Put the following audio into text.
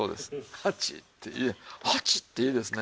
８って８っていいですね。